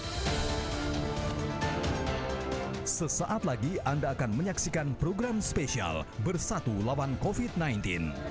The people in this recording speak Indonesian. sesaat lagi anda akan menyaksikan program spesial bersatu lawan covid sembilan belas